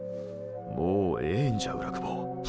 もうええんじゃ浦久保。